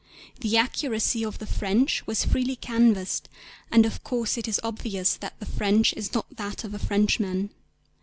The accuracy of the French was freely canvassed, and of course it is obvious that the French is not that of a Frenchman.